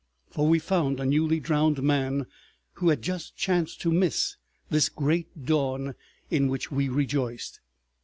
For we found a newly drowned man who had just chanced to miss this great dawn in which we rejoiced.